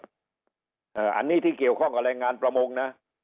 อันนี้ที่เกี่ยวข้องกับแรงงานประมงนะ